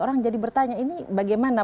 orang jadi bertanya ini bagaimana